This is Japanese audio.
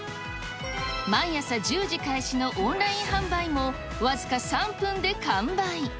毎朝１０時開始のオンライン販売も、僅か３分で完売。